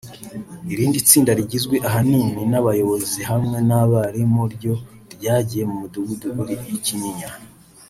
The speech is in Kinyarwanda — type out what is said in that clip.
Irindi tsinda rigizwe ahanini n’abayobozi hamwe n’abarimu ryo ryagiye mu mudugudu uri i Kinyinya